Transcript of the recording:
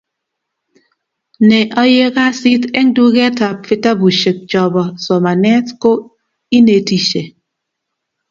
ne aye kasit eng duket ab vitabushek chobo somanet ko inetishe